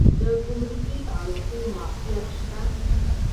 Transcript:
د ګمرکي تعرفو معافیت شته؟